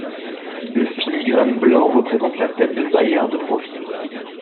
Le filigrane blanc représente la tête de Bayard de profil.